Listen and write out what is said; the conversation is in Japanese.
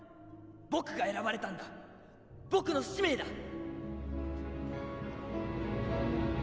僕が選ばれたんだ僕の使命だ！